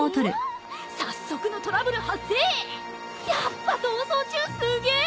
やっぱ逃走中すげえ！